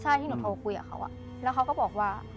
ใช่ที่หนูโทรคุยกับเขาแล้วเขาก็บอกว่า